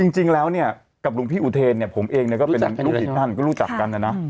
จริงแล้วกับหลวงพี่อุโธเรนผมเองก็เป็นลูกศิษย์เขาก็รู้จักกัน